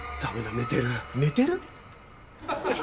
寝てる？